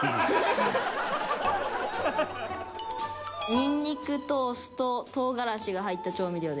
ニンニクとお酢と唐辛子が入った調味料です。